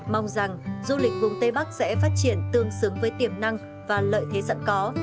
mong rằng du lịch vùng tây bắc sẽ phát triển tương xứng với tiềm năng và lợi thế sẵn có